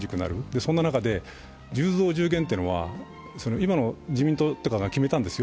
そんな中で、１０増１０減というのは今の自民党が決めたんですよ。